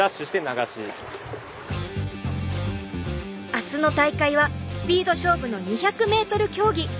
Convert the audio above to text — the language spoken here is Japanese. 明日の大会はスピード勝負の２００ｍ競技。